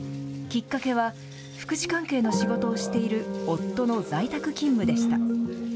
きっかけは、福祉関係の仕事をしている夫の在宅勤務でした。